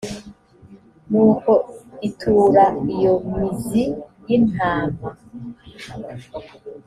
nuko itura iyo m zi y intama